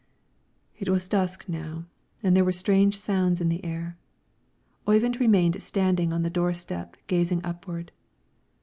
It was dusk now and there were strange sounds in the air. Oyvind remained standing on the door step gazing upward.